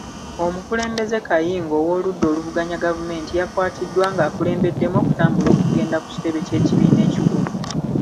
Omukulembeze kayingo ow'oludda oluvuganya gavumenti yakwatiddwa ng'akulembeddemu okutambula okugenda ku kitebe ky'ekibiina ekikulu.